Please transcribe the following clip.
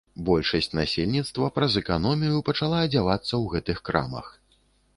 Большасць насельніцтва праз эканомію пачала адзявацца ў гэтых крамах.